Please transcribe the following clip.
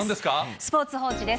スポーツ報知です。